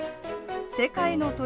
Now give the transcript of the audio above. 世界の鳥